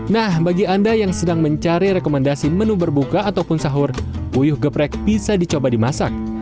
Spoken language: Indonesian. nah bagi anda yang sedang mencari rekomendasi menu berbuka ataupun sahur puyuh geprek bisa dicoba dimasak